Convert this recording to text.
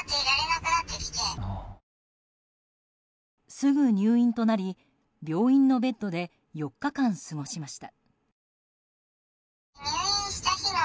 すぐ入院となり病院のベッドで４日間過ごしました。